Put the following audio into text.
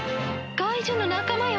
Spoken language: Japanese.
怪獣の仲間よ。